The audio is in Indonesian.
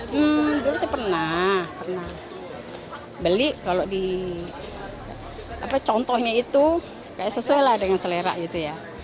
hmm dulu sih pernah pernah beli kalau di contohnya itu kayak sesuai lah dengan selera gitu ya